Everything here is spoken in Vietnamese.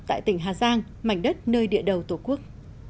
tại tỉnh hà giang mảnh đất nơi địa đầu tổ quốc